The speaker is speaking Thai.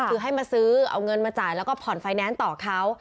คือให้มาซื้อเอาเงินมาจ่ายแล้วก็ผ่อนไฟแนนซ์ต่อเขา